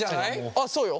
あっそうよ！